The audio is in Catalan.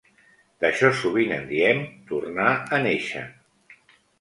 D'això sovint en diem "tornar a néixer".